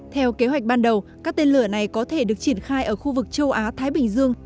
theo kế hoạch ban đầu các tên lửa này có thể được triển khai ở khu vực châu á thái bình dương